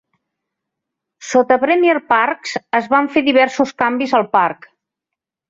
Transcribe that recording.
Sota Premier Parks, es van fer diversos canvis al parc.